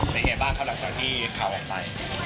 เป็นไงบ้างเขาหลังจากที่เขาไป